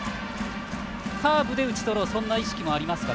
カーブで打ちとろうそんな意識もありますか？